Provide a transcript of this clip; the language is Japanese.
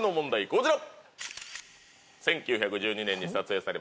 こちら。